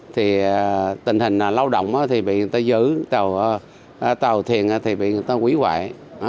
tình hình là lao động thì bị người ta giữ tàu thiền thì bị người ta quý hoại